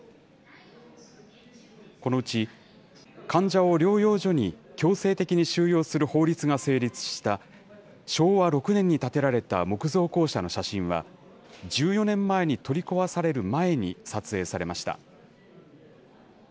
このうち、患者を療養所に強制的に収容する法律が成立した昭和６年に建てられた木造校舎の写真は、１４年前に取り壊される前に撮影されました。